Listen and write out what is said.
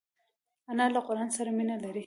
انا له قران سره مینه لري